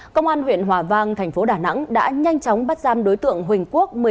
công an huyện hòa vang thành phố đà nẵng đã nhanh chóng bắt giam đối tượng huỳnh quốc